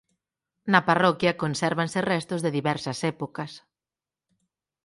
Na parroquia consérvanse restos de diversas épocas.